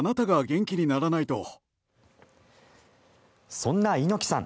そんな猪木さん